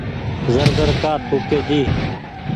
زر زر ڪآ ٿوُڪي جي۔